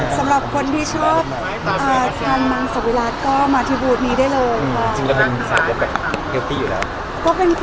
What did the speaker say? สำหรับคนที่ชอบมาทำก็มาที่บูธนี้ได้เลยค่ะ